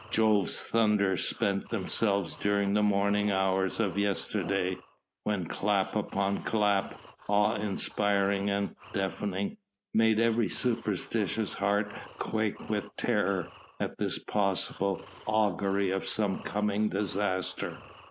Jove's thunders spent themselves during the morning hours of yesterday when clap upon clap, awe inspiring and deafening, made every superstitious heart quake with terror at this possible augury of some coming disaster.